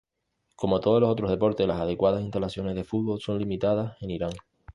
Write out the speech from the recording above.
Como todos los otros deportes, las adecuadas instalaciones de fútbol son limitadas en Irán.